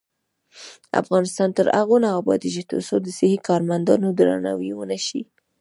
افغانستان تر هغو نه ابادیږي، ترڅو د صحي کارمندانو درناوی ونشي.